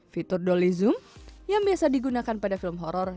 fitur dolly zoom yang biasa digunakan pada film horror